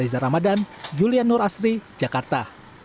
reza ramadan julian nur asri jakarta